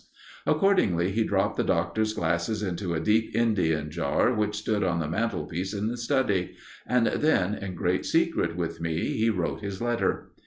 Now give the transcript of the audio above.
Accordingly, he dropped the Doctor's glasses into a deep Indian jar which stood on the mantelpiece in the study, and then, in great secret with me, he wrote his letter.